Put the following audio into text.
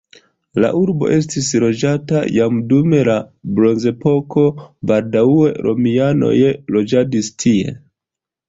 La urbo estis loĝata jam dum la bronzepoko, baldaŭe romianoj loĝadis tie.